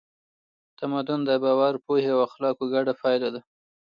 تمدن د باور، پوهې او اخلاقو ګډه پایله ده.